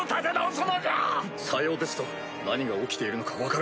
さようですぞ何が起きているのか分からん。